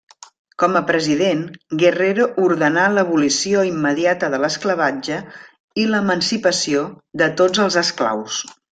Com a president, Guerrero ordenà l'abolició immediata de l'esclavatge i l'emancipació de tots els esclaus.